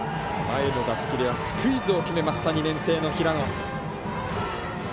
前の打席ではスクイズを決めました２年生の平野。